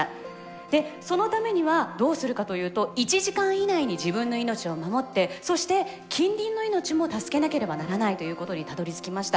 でそのためにはどうするかというと１時間以内に自分の命を守ってそして近隣の命も助けなければならないということにたどりつきました。